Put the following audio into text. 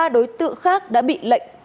ba đối tượng khác đã bị lệnh